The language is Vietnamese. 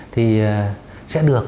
thì sẽ được